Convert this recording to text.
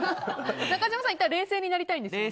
中島さん、いったん冷静になりたいんですよね。